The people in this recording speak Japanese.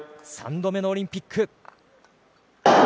３度目のオリンピック。